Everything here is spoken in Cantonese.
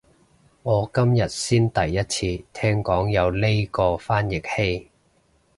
我今日先第一次聽講有呢個翻譯器